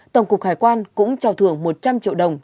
tổng cục hải quan cũng trào thưởng một trăm linh triệu đồng